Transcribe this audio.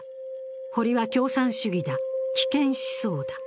堀は共産主義だ、危険思想だ。